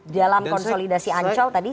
dalam konsolidasi ancol tadi